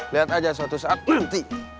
lihat aja suatu saat nanti